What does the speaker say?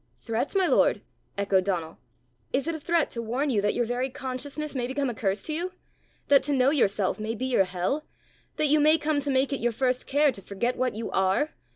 "Threats, my lord!" echoed Donal. "Is it a threat to warn you that your very consciousness may become a curse to you? that to know yourself may be your hell? that you may come to make it your first care to forget what you are?